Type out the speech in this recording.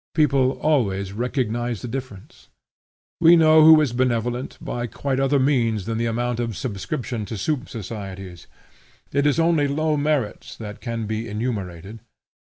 People always recognize this difference. We know who is benevolent, by quite other means than the amount of subscription to soup societies. It is only low merits that can be enumerated.